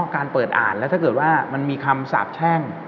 การเปิดอ่านแล้วถ้าเกิดว่ามันมีคำสาบแช่ง